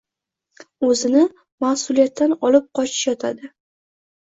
o‘zini mas’uliyatdan olib qochish yotadi.